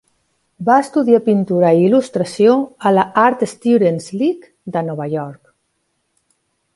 Va estudiar pintura i il·lustració a la Art Students League de Nova York.